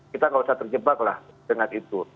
kita gak usah terjebaklah dengan itu